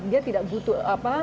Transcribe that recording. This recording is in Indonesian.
dia tidak butuh apa